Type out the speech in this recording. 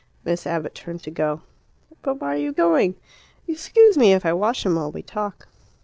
Miss Abbott turned to go. "But why are you going? Excuse me if I wash him while we talk."